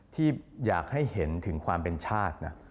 ที่อยากให้เห็นถึงความเป็นชาตินะ